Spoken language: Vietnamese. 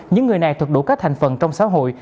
những người này thuộc đủ các thành phần trong xã hội